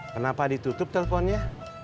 kenapa ditutup teleponnya